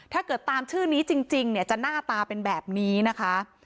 ถ้าเกิดตามชื่อนี้จริงเนี่ยจะหน้าตาเป็นแบบนี้นะคะ